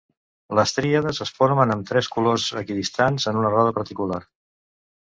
Les tríades es formen amb tres colors equidistants en una roda particular.